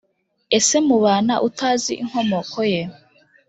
Ese mubana utazi inkomoko ye